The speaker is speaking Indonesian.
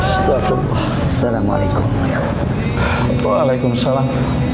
setelah assalamualaikum waalaikumsalam